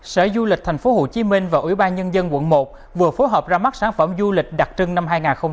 sở du lịch tp hcm và ủy ban nhân dân quận một vừa phối hợp ra mắt sản phẩm du lịch đặc trưng năm hai nghìn hai mươi